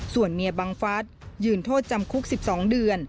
ส่วนเมียบังฟัสยืนโทษจำคุก๑๒เดือน